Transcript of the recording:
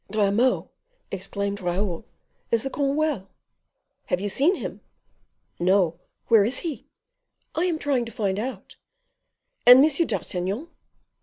"Grimaud," exclaimed Raoul, "is the comte well?" "Have you seen him?" "No; where is he?" "I am trying to find out." "And M. d'Artagnan?"